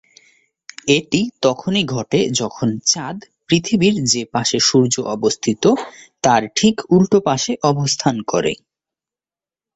এটি তখনই ঘটে যখন চাঁদ, পৃথিবীর যে পাশে সূর্য অবস্থিত তার ঠিক উল্টো পাশে অবস্থান করে।